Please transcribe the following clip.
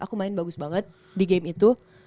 aku main bagus banget di game itu